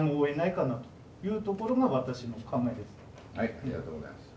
ありがとうございます。